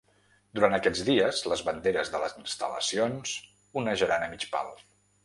Durant aquests dies les banderes de les instal·lacions onejaran a mig pal.